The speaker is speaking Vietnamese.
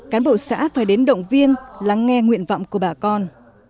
cán bộ xã phải đến động viên lắng nghe nguyện vọng của bà con